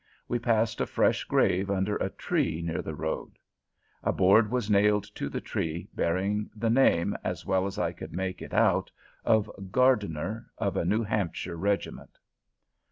We passed a fresh grave under a tree near the road. A board was nailed to the tree, bearing the name, as well as I could make it out, of Gardiner, of a New Hampshire regiment.